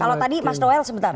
kalau tadi mas noel sebentar